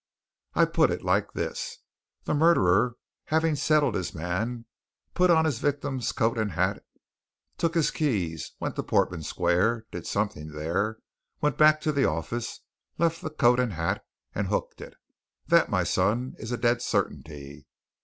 I put it like this. The murderer, having settled his man, put on his victim's coat and hat, took his keys, went to Portman Square, did something there, went back to the office, left the coat and hat, and hooked it. That, my son, is a dead certainty.